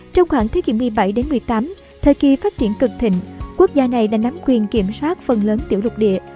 trong khoảng thế kỷ một mươi bảy một mươi tám thời kỳ phát triển cực thịnh quốc gia này đã nắm quyền kiểm soát phần lớn tiểu lục địa